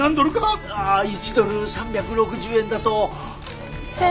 １ドル３６０円だと。